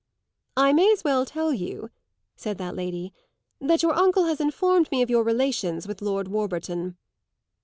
"I may as well tell you," said that lady, "that your uncle has informed me of your relations with Lord Warburton."